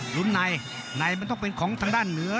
ลุ้นในในมันต้องเป็นของทางด้านเหนือ